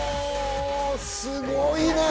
すごいね！